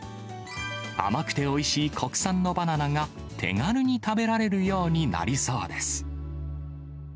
甘くておいしい国産のバナナが、手軽に食べられるようになりそうです。